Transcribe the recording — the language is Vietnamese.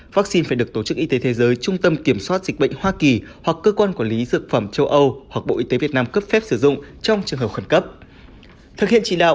vaccine phải được tổ chức y tế thế giới trung tâm kiểm soát dịch bệnh hoa kỳ hoặc cơ quan quản lý dược phẩm châu âu hoặc bộ y tế việt nam cấp phép sử dụng trong trường hợp khẩn cấp